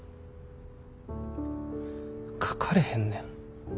書かれへんねん。